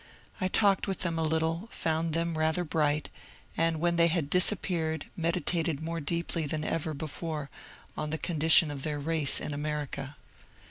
I talked with them a little, found them rather bright, and, when they had disappeared, meditated more deeply than ever before on the condition of their race in America.